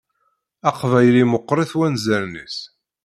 Aqbayli meqqeṛ-it wanzaren-is.